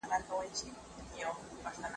د ماشوم شونډې سپینې شوې.